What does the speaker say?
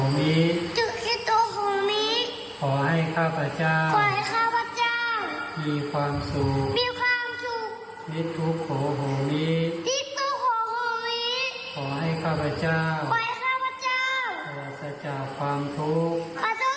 ไว้ข้าพระเจ้าจะสัจจาความภูมิ